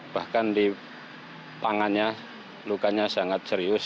bahkan di tangannya lukanya sangat serius